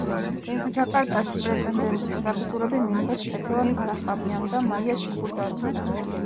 ჯაკარტაში პრეტენდენტის საგზურები მიიღეს ქეთევან არახამიამ და მაია ჩიბურდანიძემ.